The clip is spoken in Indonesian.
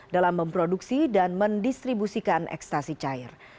dalam memproduksi dan mendistribusikan ekstasi cair